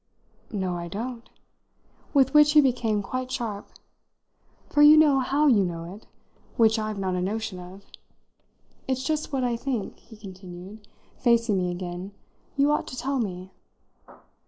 "No, I don't!" with which he became quite sharp; "for you know how you know it which I've not a notion of. It's just what I think," he continued, facing me again, "you ought to tell me."